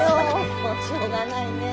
もうしょうがないねえ。